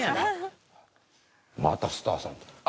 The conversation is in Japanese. また「スターさん」って。